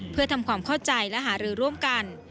เพื่อทำความเข้าใจและหารือร่วมกัน